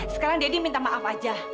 sekarang deddy minta maaf aja